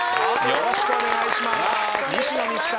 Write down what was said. よろしくお願いします。